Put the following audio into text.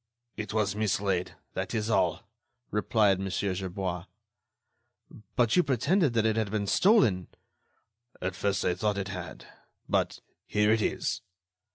"It was mislaid. That was all," replied Mon. Gerbois. "But you pretended that it had been stolen." "At first, I thought it had ... but here it is."